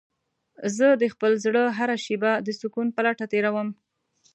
زه د خپل زړه هره شېبه د سکون په لټه تېرووم.